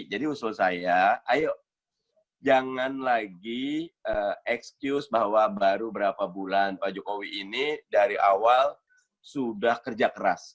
jadi usul saya ayo jangan lagi excuse bahwa baru berapa bulan pak jokowi ini dari awal sudah kerja keras